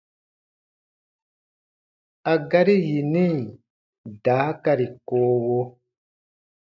A gari yini daakari koowo :